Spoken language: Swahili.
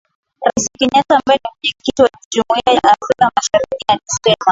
Raisi Kenyatta ambaye ni Mwenyekiti wa Jumuia ya Afrika Mashariki alisema